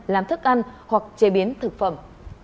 làm thức ăn hoặc chế biến thực phẩm